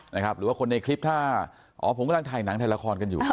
หรือว่าคนในคลิปถ้าอ๋อผมกำลังถ่ายหนังถ่ายละครกันอยู่